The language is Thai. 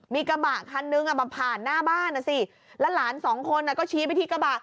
มีกระบะคันนึงมาผ่านหน้าบ้านนะสิแล้วหลานสองคนก็ชี้ไปที่กระบะ